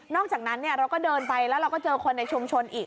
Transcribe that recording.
อกจากนั้นเราก็เดินไปแล้วเราก็เจอคนในชุมชนอีก